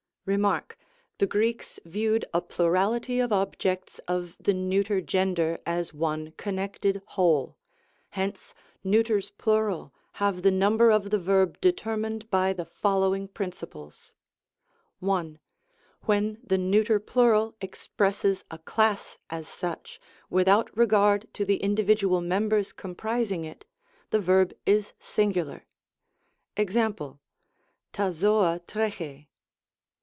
Hew., — ^The Greeks viewed a plurality of objects of the neuter gender as one connected whole ; hence, neuters plural have the number of the verb determined by the following principles: L When the neuter plural expresses a class as such, without regard to the individual members comprising it, the verb is singular. JEJx.^ ra ^coa tqsx^i.